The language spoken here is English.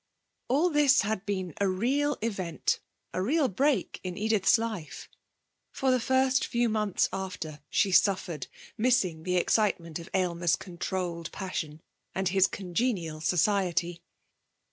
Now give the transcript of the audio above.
All this had been a real event, a real break in Edith's life. For the first few months after she suffered, missing the excitement of Aylmer's controlled passion, and his congenial society.